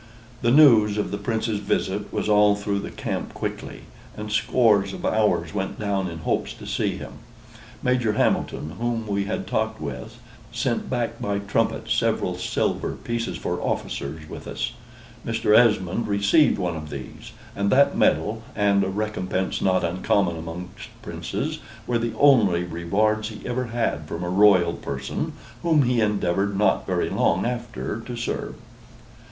The news of the Prince's visit was all through the camp quickly, and scores of ours went down in hopes to see him. Major Hamilton, whom we had talked with, sent back by a trumpet several silver pieces for officers with us. Mr. Esmond received one of these; and that medal, and a recompense not uncommon amongst Princes, were the only rewards he ever had from a Royal person, whom he endeavored not very long after to serve.